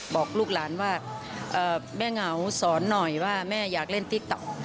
บอกลูกหลานว่าแม่เหงาสอนหน่อยว่าแม่อยากเล่นติ๊กต๊อก